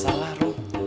gue ngasir untuk